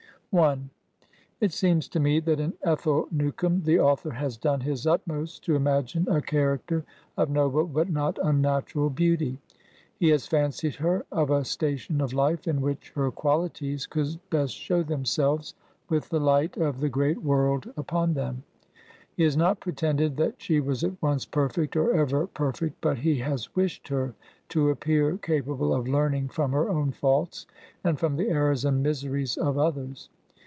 It s6ems to me that in Ethel Newcome the author has done his utmost to imagine a character of noble but not unnatural beauty. He has fancied her of a station of life in which her quaUties could best show themselves, 215 Google ^"^ Digitized by VjOOQ HEROINES OF FICTION with the light of the great world upon them. He has not pretended that she was at once perfect, or ever per fect, but he has wished her to appear capable of learning from her own faults, and from the errors and miseries of others.